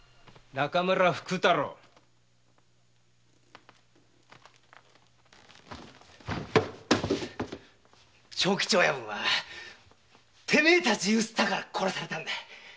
中村福太郎長吉親分はテメェらをゆすったから殺されたんだ。